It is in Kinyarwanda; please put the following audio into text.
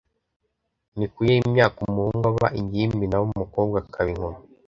Ni kuyihe myaka umuhungu aba ingimbi na ho umukobwa akaba inkumi